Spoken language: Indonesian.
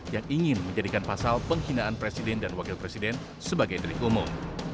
yang ingin menjadikan pasal penghinaan presiden dan wakil presiden sebagai delik umum